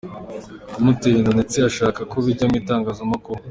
kumutera inda ndetse ashaka ko bijya mu itangazamakuru.